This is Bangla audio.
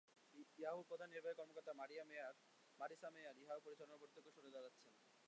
ইয়াহুর প্রধান নির্বাহী কর্মকর্তা মারিসা মেয়ার ইয়াহু পরিচালনা বোর্ড থেকেও সরে দাঁড়াচ্ছেন।